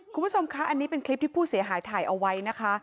คุณผู้ชมคะอันนี้เป็นคลิปที่ผู้เสียหายถ่ายเอาไว้นะคะ